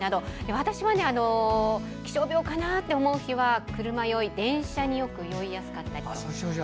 私は気象病かな？と思う人は車酔い、電車に酔いやすかったり。